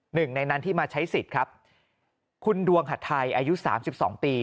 หนึ่งในนั้นที่มาใช้สิทธิ์ครับคุณดวงหัดไทยอายุสามสิบสองปี